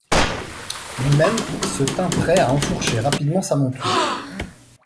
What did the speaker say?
Lui-même se tint prêt à enfourcher rapidement sa monture